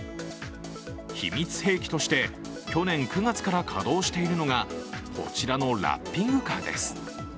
秘密兵器として、去年９月から稼働しているのがこちらのラッピングカーです。